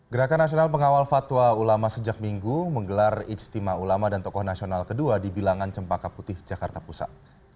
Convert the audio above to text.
gerakan nasional pengawal fatwa ulama sejak minggu menggelar ijtima ulama dan tokoh nasional kedua di bilangan cempaka putih jakarta pusat